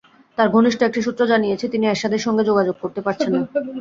তাঁর ঘনিষ্ঠ একটি সূত্র জানিয়েছে, তিনি এরশাদের সঙ্গে যোগাযোগ করতে পারছেন না।